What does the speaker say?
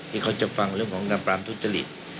ที่เขาจะฟังเรื่องของปราบรามทุจจฤทธิ์